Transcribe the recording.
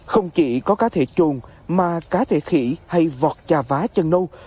không chỉ có cá thể trồn mà cá thể khỉ hay vọt chà vá chân nâu